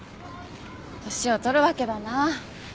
年を取るわけだな。